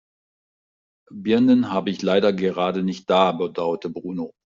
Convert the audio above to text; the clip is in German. Birnen habe ich leider gerade nicht da, bedauerte Bruno.